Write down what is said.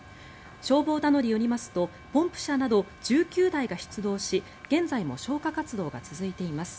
消防などによりますとポンプ車など１９台が出動し現在も消火活動が続いています。